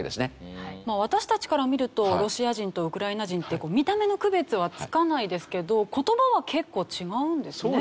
私たちから見るとロシア人とウクライナ人って見た目の区別はつかないですけど言葉は結構違うんですね。